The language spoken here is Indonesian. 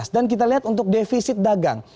dan kita lihat untuk defisit dagang